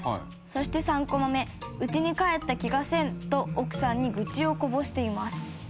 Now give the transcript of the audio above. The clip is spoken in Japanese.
そして、３コマ目「うちにかえった気がせん」と奥さんに愚痴をこぼしています。